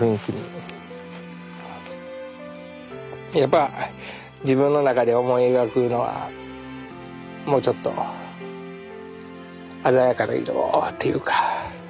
やっぱ自分の中で思い描くいうのはもうちょっと鮮やかな色っていうか。